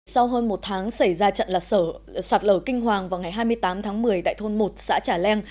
sau hơn một tháng xảy ra trận lạc sở sạt lở kinh hoàng vào ngày hai mươi tám tháng một mươi tại thôn một xã trà leng